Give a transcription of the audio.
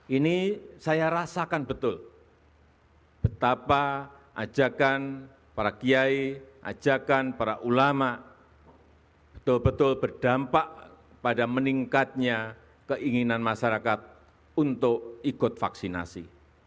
ini saya rasakan betul betapa ajakan para kiai ajakan para ulama betul betul berdampak pada meningkatnya keinginan masyarakat untuk ikut vaksinasi